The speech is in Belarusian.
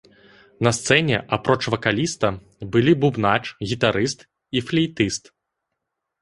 На сцэне, апроч вакаліста, былі бубнач, гітарыст і флейтыст.